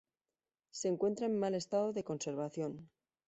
Se encuentra en mal estado de conservación.